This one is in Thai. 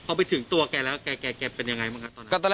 พอไปถึงตัวแกแล้วแกเป็นยังไงบ้างครับตอนนั้น